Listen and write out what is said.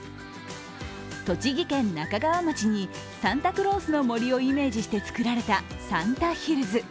栃木県那珂川町にサンタクロースの森をイメージしてつくられたサンタヒルズ。